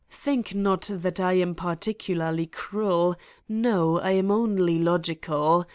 Think not that I am particularly cruel, no I am only logi cal.